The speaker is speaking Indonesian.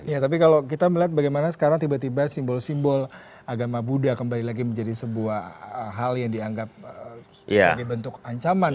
ya tapi kalau kita melihat bagaimana sekarang tiba tiba simbol simbol agama buddha kembali lagi menjadi sebuah hal yang dianggap sebagai bentuk ancaman